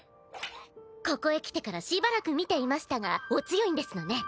ここへ来てからしばらく見ていましたがお強いんですのね。